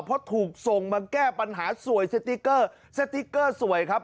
เพราะถูกส่งมาแก้ปัญหาสวยสติ๊กเกอร์สติ๊กเกอร์สวยครับ